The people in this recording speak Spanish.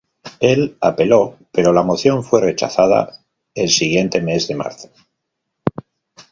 Él apeló, pero la moción fue rechazada el siguiente mes de marzo.